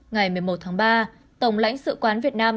ngày một mươi một tháng ba tổng lãnh sự quán việt nam